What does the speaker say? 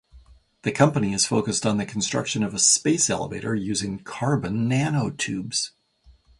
The company is focused on the construction of a space elevator using carbon nanotubes.